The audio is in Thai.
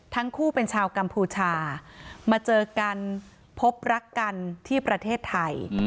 ทั้งคู่เป็นชาวกัมพูชามาเจอกันพบรักกันที่ประเทศไทย